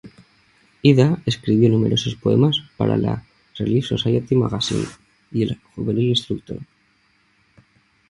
Ida escribió numerosos poemas para la "Relief Society Magazine" y el "Juvenile Instructor".